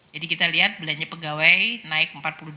jadi kita lihat belanja pegawai naik empat puluh dua delapan